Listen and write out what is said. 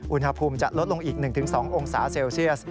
อุณหภูมิจะลดลงอีก๑๒องศาเซลเซียส